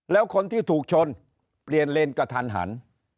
แล้วคนที่ถูกชนเปลี่ยนเลนกระทันหัน